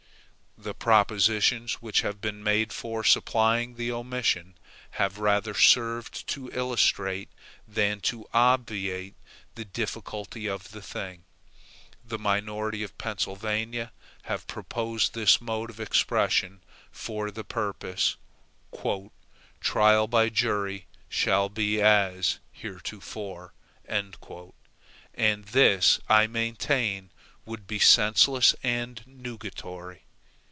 The propositions which have been made for supplying the omission have rather served to illustrate than to obviate the difficulty of the thing. The minority of Pennsylvania have proposed this mode of expression for the purpose "Trial by jury shall be as heretofore" and this I maintain would be senseless and nugatory.